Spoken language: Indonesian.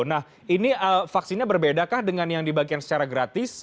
nah ini vaksinnya berbedakah dengan yang dibagikan secara gratis